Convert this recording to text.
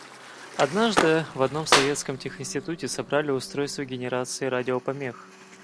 Однажды в одном советском тех. институте собрали устройство генерации радиопомех.